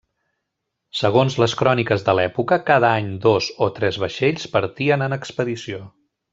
Segons les cròniques de l'època, cada any dos o tres vaixells partien en expedició.